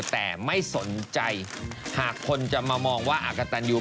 แต่ไม่สนใจหากคนจะมามองว่าอากตันยู